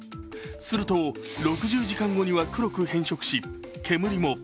すると６０時間後には黒く変色し、煙も。